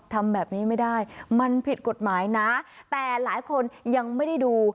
ทำแบบนี้ไม่ได้มันผิดกฎหมายนะแต่หลายคนยังไม่ได้ดู